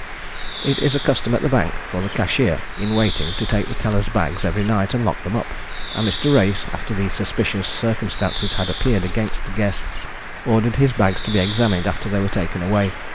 It is a custom at the Bank for the cashier in waiting to take the tellers' bags every night, and lock them up; and Mr. Race, after these suspicious circumstances had appeared against Guest, ordered his bags to be examined after they were taken away.